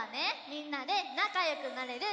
みんなでなかよくなれる